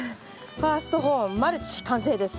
ファースト保温マルチ完成です。